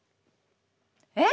えっ！